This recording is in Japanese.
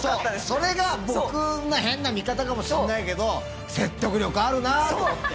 それが僕まあ変な見方かもしんないけど説得力あるなと思って。